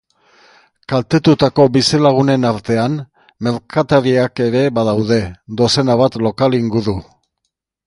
Kaltetutako bizilagunen artean, merkatariak ere badaude, dozena bat lokal inguru.